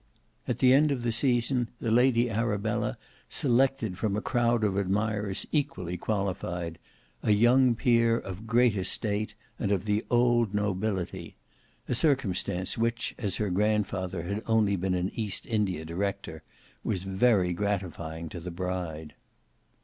At the end of the season, the Lady Arabella selected from a crowd of admirers equally qualified, a young peer of great estate, and of the "old nobility," a circumstance which, as her grandfather had only been an East India director, was very gratifying to the bride.